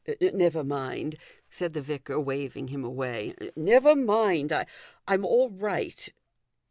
" Never mind," said the vicar, waving him away. " Never mind ; I'm all right.